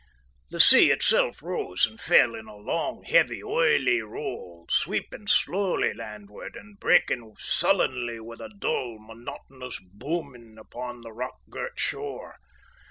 The sea itself rose and fell in a long, heavy, oily roll, sweeping slowly landward, and breaking sullenly with a dull, monotonous booming upon the rock girt shore.